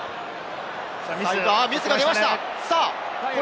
ミスが出ました。